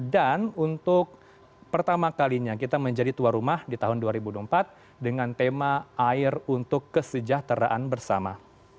dan untuk pertama kalinya kita menjadi tua rumah di tahun dua ribu empat dengan tema air untuk kesejahteraan bersama